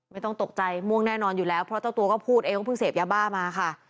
ไม่ต้องตกใจม่วงแน่นอนอยู่แล้วเพราะเจ้าตัวก็พูดเองว่าเพิ่งเสพยาบ้ามาค่ะ